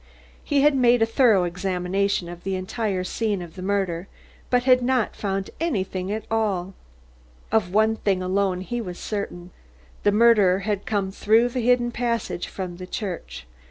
He had made a thorough examination of the entire scene of the murder, but had not found anything at all. Of one thing alone was he certain: the murderer had come through the hidden passageway from the church.